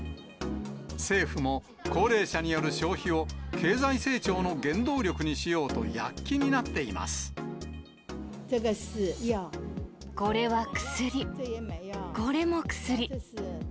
政府も高齢者による消費を経済成長の原動力にしようと、躍起になこれは薬、これも薬。